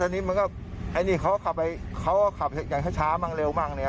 อันนี้มันก็เขาขับช้ามังเร็วมาก